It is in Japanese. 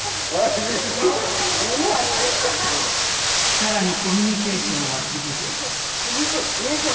更にコミュニケーションは続く。